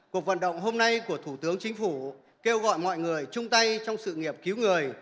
cuộc vận động hôm nay của thủ tướng chính phủ kêu gọi mọi người chung tay trong sự nghiệp cứu người